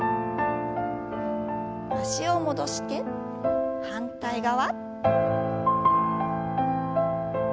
脚を戻して反対側。